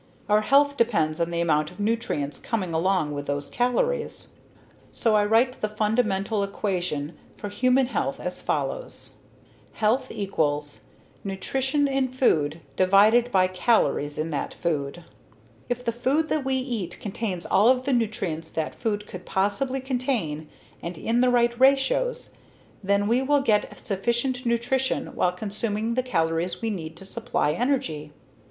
Our health depends on the amount of nutrients coming along with those calories. So I write the fundamental equation for human health as follows: HEALTH = NUTRITION IN FOOD DIVIDED BY CALORIES IN THAT FOOD If the food that we eat contains all of the nutrients that food could possibly contain, and in the right ratios, then we will get sufficient nutrition while consuming the calories we need to supply energy.